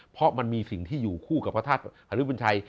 เพราะมันมีสิ่งที่อยู่คู่กับพระธาตุอริบุญชัย